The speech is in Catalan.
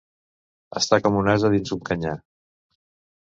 Estar com un ase dins un canyar.